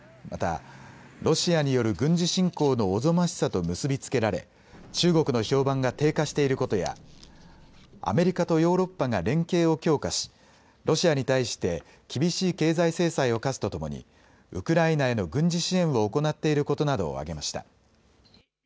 またロシアによる軍事侵攻のおぞましさと結び付けられ中国の評判が低下していることやアメリカとヨーロッパが連携を強化しロシアに対して厳しい経済制裁を科すとともにウクライナへの軍事支援を行っていることなどを挙げました。